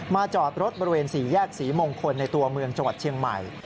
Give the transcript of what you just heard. จอดรถบริเวณ๔แยกศรีมงคลในตัวเมืองจังหวัดเชียงใหม่